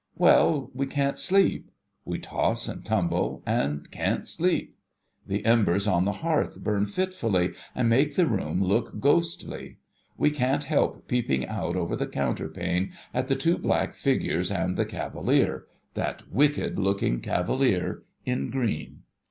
Well ! we can't sleep. We toss and tumble, and can't sleep. The embers on the hearth burn fitfully and make the room look ghostly. We can't help peeping out over the counterpane, at the two black figures and the cavalier —■ that wicked looking cavalier — in green.